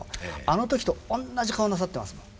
あの時とおんなじ顔なさってますもん。